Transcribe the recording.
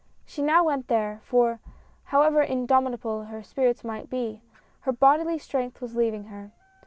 She now went there, for, however indomitable her spirits might be, her bodily strength was leaving her.